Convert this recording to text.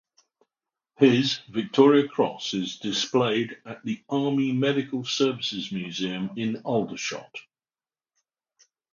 His Victoria Cross is displayed at the Army Medical Services Museum in Aldershot.